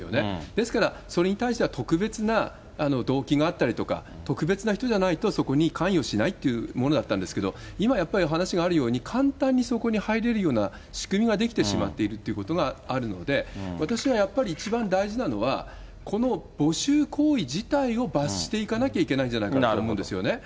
ですから、それに対しては、特別な動機があったりとか、特別な人じゃないと、そこに関与しないっていうものだったんですけど、今やっぱりお話があるように、簡単にそこに入れるような仕組みができてしまっているということがあるので、私はやっぱり、一番大事なのは、この募集行為自体を罰していかなきゃいけないんじゃないかと思うんですよね。